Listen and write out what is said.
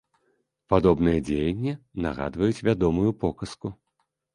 Падобныя дзеянні нагадваюць вядомую показку.